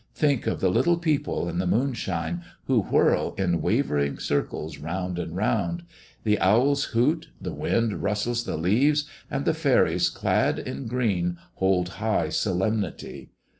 Think of the little people in the moonshine, who whirl in wavering circles round and round. The owls hoot, the wind rustles the leaves, and the faeries clad in green hold high solemnity.